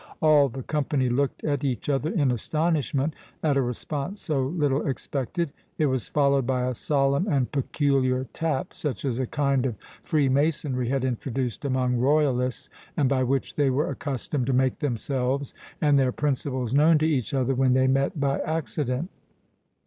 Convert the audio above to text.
All the company looked at each other in astonishment, at a response so little expected. It was followed by a solemn and peculiar tap, such as a kind of freemasonry had introduced among royalists, and by which they were accustomed to make themselves and their principles known to each other, when they met by accident.